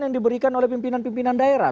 yang diberikan oleh pimpinan pimpinan daerah